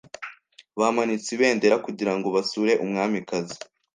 Bamanitse ibendera kugirango basure Umwamikazi.